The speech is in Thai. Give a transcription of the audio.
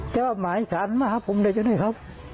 เจ้าหมายสรรมาครับผมได้ยังไงครับ